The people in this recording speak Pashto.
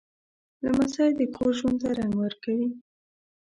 لمسی د کور ژوند ته رنګ ورکوي.